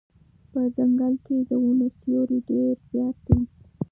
په ځنګل کې د ونو سیوری ډېر زیات دی.